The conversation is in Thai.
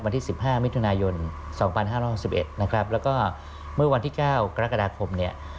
วันที่๑๕มิถุนายน๒๕๖๑นะครับแล้วก็เมื่อวันที่๙กรกฎาคมเนี่ย